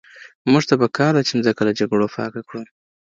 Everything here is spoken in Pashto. موږ ته په کار ده چي مځکه له جګړو پاکه کړو.